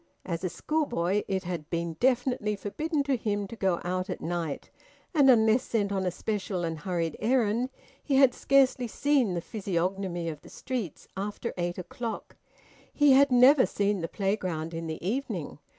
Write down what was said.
As a schoolboy it had been definitely forbidden to him to go out at night; and unless sent on a special and hurried errand, he had scarcely seen the physiognomy of the streets after eight o'clock. He had never seen the playground in the evening.